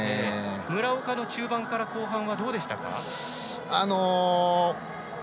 村岡の中盤から後半はどうでしたか？